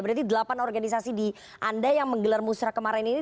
berarti delapan organisasi di anda yang menggelar musrah kemarin ini